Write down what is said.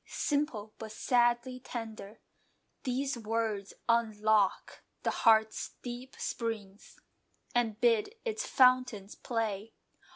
Simple, but sadly tender, These words unlock the heart's deep springs And bid its fountains play.